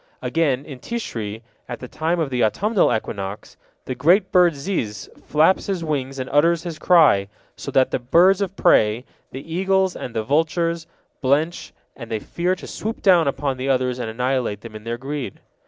Again, in Tishri, at the time of the autumnal equinox, the great bird ziz flaps his wings and utters his cry, so that the birds of prey, the eagles and the vultures, blench, and they fear to swoop down upon the others and annihilate them in their greed.